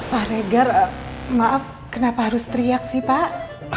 pak reger maaf kenapa harus teriak sih pak